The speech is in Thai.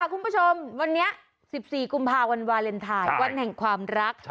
คุณผู้ชมวันนี้๑๔กุมภาวันวาเลนไทยวันแห่งความรัก